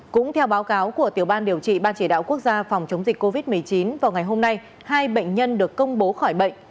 cũng theo báo cáo của tiểu ban điều trị ban chỉ đạo quốc gia phòng chống dịch covid một mươi chín vào ngày hôm nay hai bệnh nhân được công bố khỏi bệnh